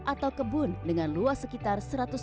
atau kebun dengan luas sekitar